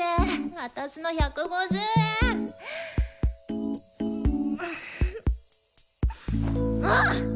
私の１５０円。もうっ！